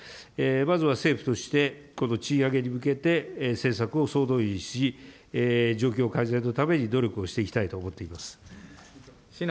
まずは政府としては、賃上げに向けてを総動員し、状況改善のために努力をしていきたいと思っております。